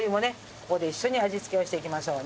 ここで一緒に味つけをしていきましょうね。